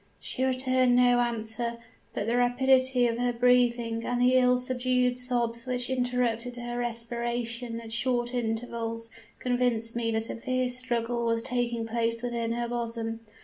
"She returned no answer, but the rapidity of her breathing and the ill subdued sobs which interrupted her respiration at short intervals, convinced me that a fierce struggle was taking place within her bosom.